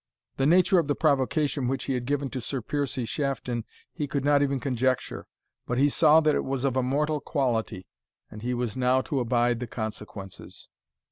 The nature of the provocation which he had given to Sir Piercie Shafton he could not even conjecture; but he saw that it was of a mortal quality, and he was now to abide the consequences.